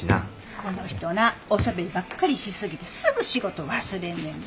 この人なおしゃべりばっかりし過ぎてすぐ仕事忘れんねんで。